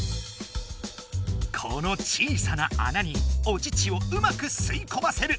この小さな穴にお乳をうまくすいこませる。